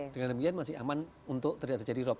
dengan demikian masih aman untuk terjadi rob